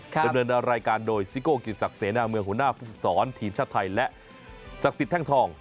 ดำเนินรายการโดยซิโก้กิจศักดิ์เสนาเมืองหัวหน้าภูมิสอนทีมชาติไทยและศักดิ์สิทธิแท่งทอง